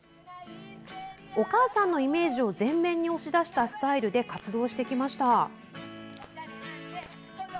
お母さんのイメージを全面に押し出したスタイルで活動してきました。